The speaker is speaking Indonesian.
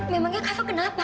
memangnya kafa kenapa